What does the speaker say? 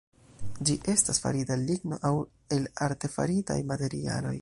Ĝi estas farita el ligno aŭ el artefaritaj materialoj.